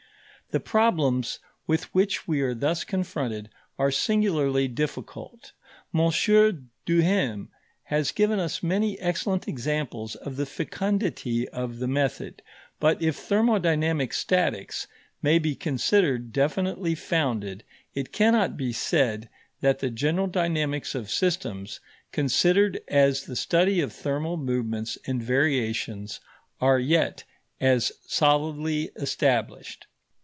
The problems with which we are thus confronted are singularly difficult. M. Duhem has given us many excellent examples of the fecundity of the method; but if thermodynamic statics may be considered definitely founded, it cannot be said that the general dynamics of systems, considered as the study of thermal movements and variations, are yet as solidly established.